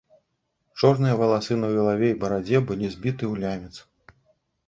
Чорныя валасы на галаве і барадзе былі збіты ў лямец.